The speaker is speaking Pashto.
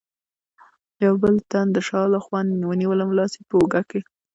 یوه بل تن د شا له خوا ونیولم، لاس یې په اوږه کې.